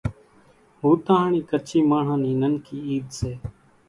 ھوتاھڻِي ڪڇي ماڻۿان نِي ننڪي عيد سي